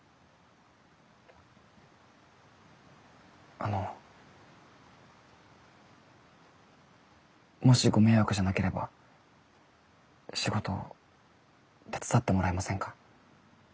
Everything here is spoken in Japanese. あのもしご迷惑じゃなければ仕事手伝ってもらえませんか？